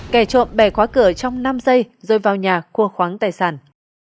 kẻ trộm bẻ khóa cửa trong năm giây rồi vào nhà cua khoáng tài sản